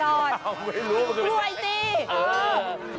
กล้วยสิ